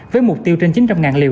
với mục tiêu trên chín trăm linh liều